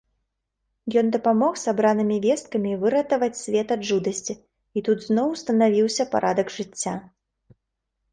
Ён дапамог сабранымі весткамі выратаваць свет ад жудасці, і тут зноў устанавіўся парадак жыцця.